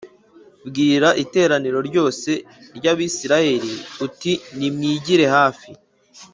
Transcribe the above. bwira iteraniro ryose ry Abisirayeli uti nimwigire hafi